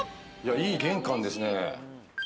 いい玄関ですね。